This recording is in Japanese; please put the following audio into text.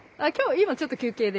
今ちょっと休憩で。